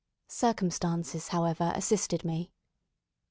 Circumstances, however, assisted me.